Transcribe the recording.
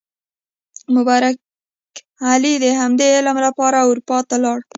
مبارک علي د همدې علم لپاره اروپا ته لاړ.